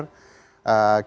kita belum tahu